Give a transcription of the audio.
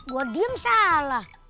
gue diem salah